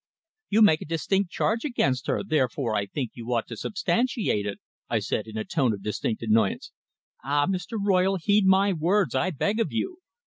"You make a distinct charge against her, therefore I think you ought to substantiate it," I said in a tone of distinct annoyance. "Ah! Mr. Royle. Heed my words, I beg of you."